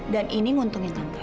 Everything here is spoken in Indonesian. dan ini nguntungin tante